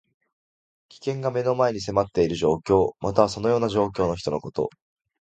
危険が目の前に迫っている状況。または、そのような状況の人のこと。